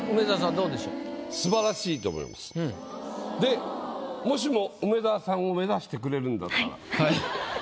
どうでしょう？でもしも梅沢さんを目指してくれるんだったら。